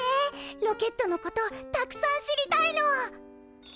ロケットのことたくさん知りたいの！